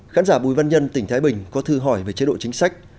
khán giả bùi văn nhân tỉnh thái bình có thư hỏi về chế độ chính sách